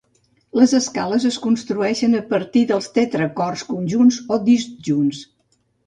Les escales es construeixen a partir de tetracords conjunts o disjunts.